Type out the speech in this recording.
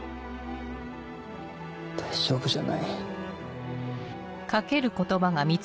大丈夫じゃない。